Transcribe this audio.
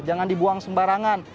jangan dibuang sembarangan